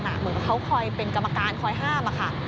เหมือนเขาคอยเป็นกรรมการคอยห้ามค่ะ